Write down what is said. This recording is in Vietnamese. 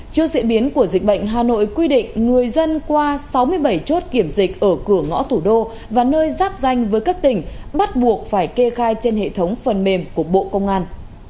trước diễn biến của dịch bệnh hà nội quy định người dân qua sáu mươi bảy chốt kiểm dịch ở cửa ngõ thủ đô và nơi giáp danh với các tỉnh bắt buộc phải kê khai trên hệ thống phần mềm của bộ công an